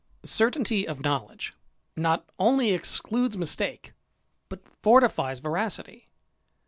* Certainty ot knowledge not only excludes mistake, \yut fortifies veracity.